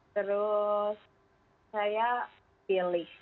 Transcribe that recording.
terus saya pilih